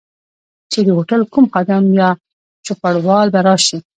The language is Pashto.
چي د هوټل کوم خادم یا چوپړوال به راشي.